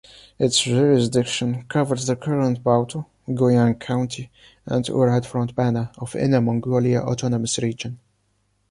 Its jurisdiction covers the current Baotou, Guyang county and Urad Front Banner of Inner Mongolia Autonomous Region.